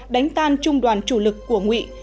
đánh tan trung đoàn chủ lực của nguyễn